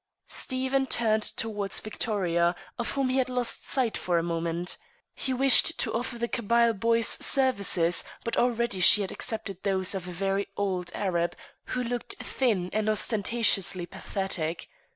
Stephen turned towards Victoria, of whom he had lost sight for a moment. He wished to offer the Kabyle boy's services, but already she had accepted those of a very old Arab who looked thin and ostentatiously pathetic.